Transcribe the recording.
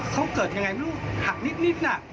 เขาเกิดยังไงไม่รู้หักนิดน่ะ